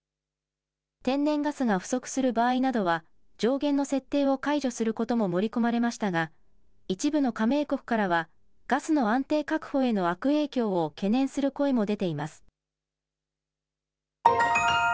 天然ガスが不足する場合などは上限の設定を解除することも盛り込まれましたが一部の加盟国からはガスの安定確保への悪影響を懸念する声も出ています。